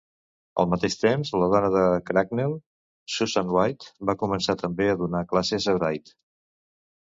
Al mateix temps la dona de Cracknell, Susan White, va començar també a donar classes a Brite.